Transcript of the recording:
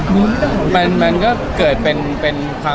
มีมีมีมีมีมีมีมีมีมี